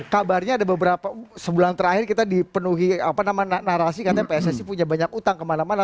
kabarnya ada beberapa sebulan terakhir kita dipenuhi narasi katanya pssi punya banyak utang kemana mana